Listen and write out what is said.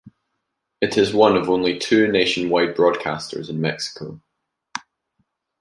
It is one of only two nationwide broadcasters in Mexico.